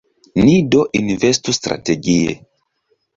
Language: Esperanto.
Ni do investu strategie.